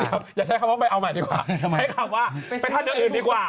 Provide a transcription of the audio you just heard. อย่าใช้คำว่าไปเอาใหม่ดีกว่าใช้คำว่าไปท่านเดือนอื่นดีกว่า